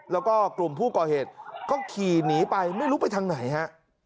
แล้วก็กลุ่มผู้ก่อเหตุก็ขี่หนีไปไม่รู้ไปทางไหนฮะ